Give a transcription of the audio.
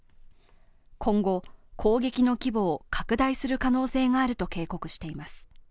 今後、攻撃の規模を拡大する可能性があると警告しています。